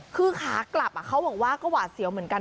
คือขากลับเขาบอกว่าก็หวาดเสียวเหมือนกัน